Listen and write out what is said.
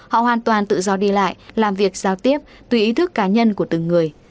họ hoàn toàn tự do đi lại làm việc giao tiếp tùy ý thức cá nhân của từng người